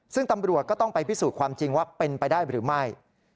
ซึ่งตำรวจก็ต้องไปพิสูจน์ความจริงว่าเป็นไปได้หรือไม่